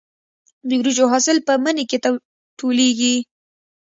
د وریجو حاصل په مني کې ټولېږي.